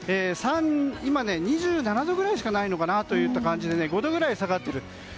今、２７度ぐらいまでしかないといった感じで５度ぐらい下がっています。